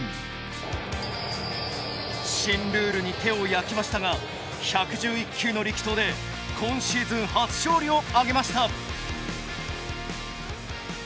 新ルールに手を焼きましたが１１１球の力投で今シーズン初勝利をあげました。